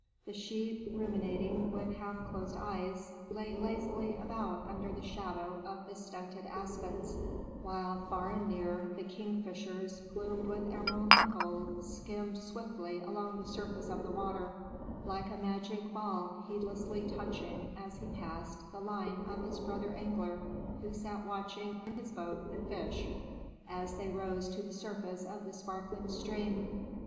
The sheep, ruminating with half closed eyes, lay lazily about under the shadow of the stunted aspens, while, far and near, the kingfishers, plumed with emerald and gold, skimmed swiftly along the surface of the water, like a magic ball heedlessly touching, as he passed, the line of his brother angler, who sat watching in his boat the fish as they rose to the surface of the sparkling stream.